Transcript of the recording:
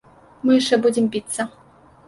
Мы яшчэ будзем біцца.